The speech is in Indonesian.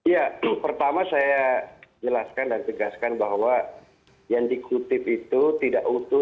ya pertama saya jelaskan dan tegaskan bahwa yang dikutip itu tidak utuh